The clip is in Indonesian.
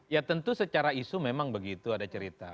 ya tentu secara isu memang begitu ada cerita